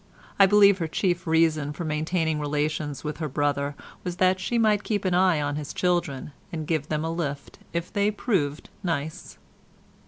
I believe her chief reason for maintaining relations with her brother was that she might keep an eye on his children and give them a lift if they proved nice.